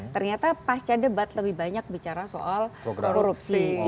ternyata pasca debat lebih banyak bicara soal korupsi